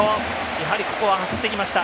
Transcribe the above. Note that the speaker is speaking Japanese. やはり、ここは走ってきました。